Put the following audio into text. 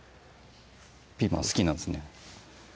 ピーマン好きなんですね